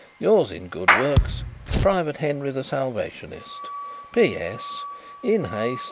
"Yours in good works, Private Henry, the Salvationist. "P.S. (in haste).